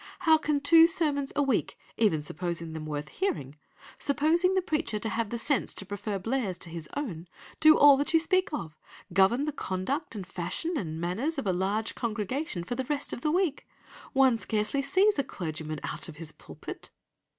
How can two sermons a week, even supposing them worth hearing, supposing the preacher to have the sense to prefer Blair's to his own, do all that you speak of, govern the conduct and fashion and manners of a large congregation for the rest of the week? One scarcely sees a clergyman out of his pulpit!